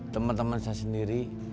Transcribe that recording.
teman teman saya sendiri